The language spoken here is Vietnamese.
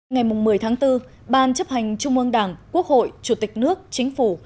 ngày một mươi tháng bốn ban chấp hành trung ương đảng quốc hội chủ tịch nước chính phủ